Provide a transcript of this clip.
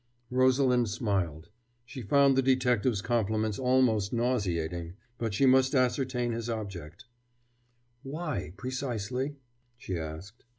Rosalind smiled. She found the detective's compliments almost nauseating, but she must ascertain his object. "Why, precisely?" she asked.